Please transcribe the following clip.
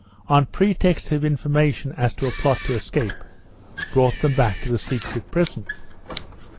IV] CATALONIA 481 pretext of information as to a plot to escape, brought them back to the secret prison.